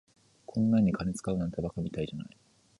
こんなんに金使うなんて馬鹿みたいじゃない。